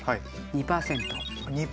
２％。